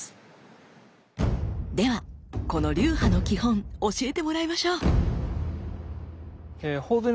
ではこの流派の基本教えてもらいましょう！